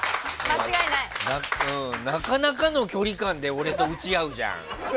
なかなかの距離感で俺と打ち合うじゃん。